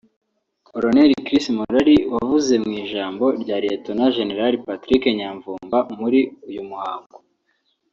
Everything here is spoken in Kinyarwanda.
Col Chris Murari wavuze mu ijambo rya Lt Gen Patrick Nyamvumba muri uyu muhango